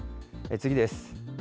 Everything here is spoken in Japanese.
次です。